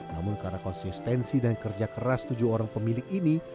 namun karena konsistensi dan kerja keras tujuh orang pemilik ini